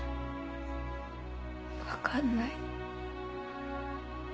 分かんない。